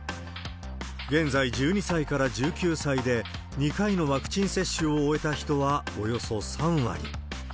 現在、１２歳から１９歳で２回のワクチン接種を終えた人はおよそ３割。